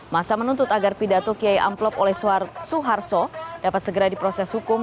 masa menuntut agar pidato kiai amplop oleh suharto dapat segera diproses hukum